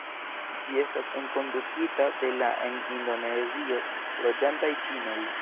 Ĝi estas enkondukita de la en Indonezio loĝantaj ĉinoj.